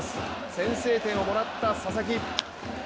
先制点をもらった佐々木。